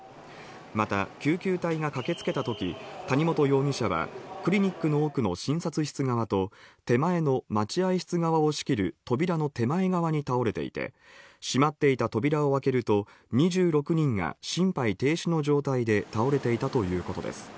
また救急隊が駆けつけたとき、谷本容疑者はクリニックの奥の診察室側と手前の待合室側を仕切る扉の手前側に倒れていて、閉まっていた扉を開けると、２６人が心肺停止の状態で倒れていたということです。